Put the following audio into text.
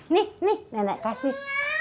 nih nenek kasih